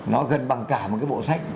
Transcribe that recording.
nó gần bằng cả một cái bộ sách